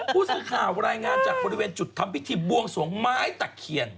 คุณซึ้งข่าวรายงานจากบริเวณจุดท้ำพิธีบลวงสงม้ายตะเขียน